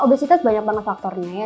obesitas banyak banget faktornya ya